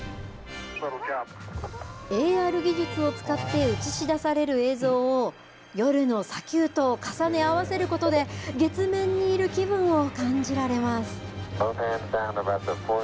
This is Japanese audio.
ＡＲ技術を使って映し出される映像を夜の砂丘と重ね合わせることで月面にいる気分を感じられます。